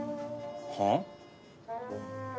はあ？